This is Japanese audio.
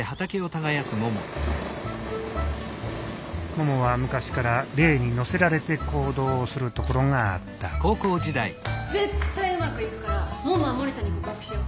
ももは昔から玲に乗せられて行動をするところがあった絶対うまくいくからももは森田に告白しよう！